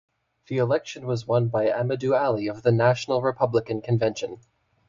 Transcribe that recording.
The election was won by Ahmadu Ali of the National Republican Convention.